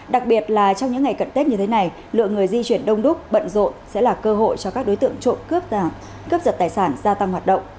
đặc biệt là trong những ngày cận tết như thế này lượng người di chuyển đông đúc bận rộn sẽ là cơ hội cho các đối tượng trộm cướp giật tài sản gia tăng hoạt động